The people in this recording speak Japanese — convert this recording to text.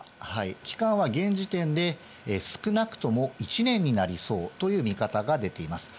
期間は現時点で少なくとも１年になりそうという見方が出ています。